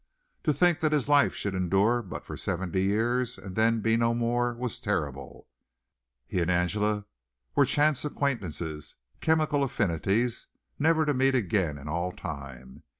To think that his life should endure but for seventy years and then be no more was terrible. He and Angela were chance acquaintances chemical affinities never to meet again in all time.